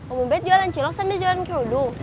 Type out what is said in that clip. om ubet jualan cilok sambil jualan kerudung